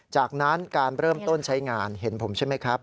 จากนั้นการเริ่มต้นใช้งานเห็นผมใช่ไหมครับ